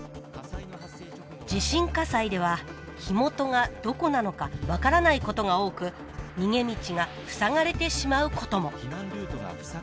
地震火災では火元がどこなのか分からないことが多く逃げ道が塞がれてしまうことも。